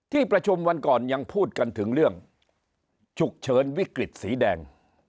ที่ประชุมวันก่อนยังพูดกันถึงเรื่องฉุกเฉินวิกฤตสีแดง